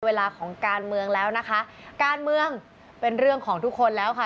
เวลาของการเมืองแล้วนะคะการเมืองเป็นเรื่องของทุกคนแล้วค่ะ